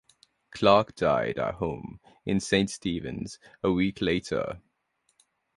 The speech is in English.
Clarke died at home in Saint Stephen a few weeks later.